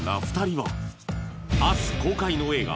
明日公開の映画